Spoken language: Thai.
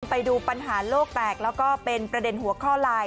ไปดูปัญหาโลกแตกแล้วก็เป็นประเด็นหัวข้อลาย